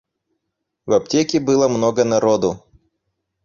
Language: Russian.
В аптеке было много народу.